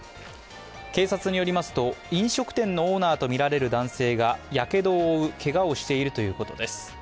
警察によりますと、飲食店のオーナーとみられる男性がやけどを負うけがをしているということです。